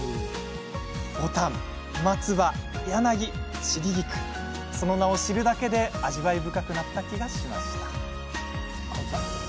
牡丹、松葉、柳、散り菊その名を知るだけで味わい深くなった気がしました。